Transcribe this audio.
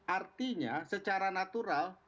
artinya secara natural